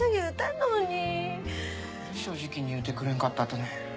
なんで正直に言うてくれんかったとね？